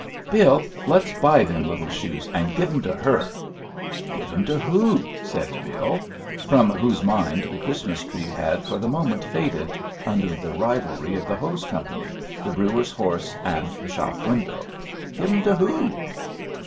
"Bill, let's buy them little shoes, and give 'em to her." "Give 'em to who?" said Bill, from whose mind the Christmas tree had for the moment faded, under the rivalry of the hose company, the brewer's horse, and the shop window. "Give 'em to who?"